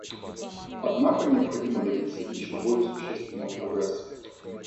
Однако необходимо добиться еще более существенного прогресса.